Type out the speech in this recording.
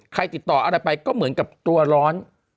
ติดต่ออะไรไปก็เหมือนกับตัวร้อน